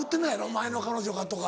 「前の彼女が」とか。